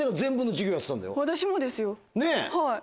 私もですよ。ねぇ。